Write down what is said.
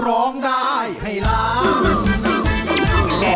ร้องได้ให้ล้าน